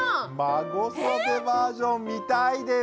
孫育てバージョン見たいです！